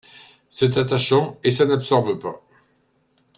C’est attachant et ça n’absorbe pas.